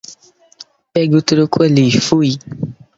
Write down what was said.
Pega o troco ali, fui